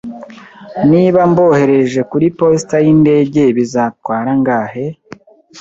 Niba mboherereje kuri posita yindege, bizatwara angahe?